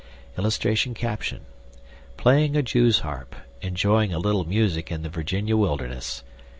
[Illustration: PLAYING A JEW'S HARP ENJOYING A LITTLE MUSIC IN THE VIRGINIA WILDERNESS.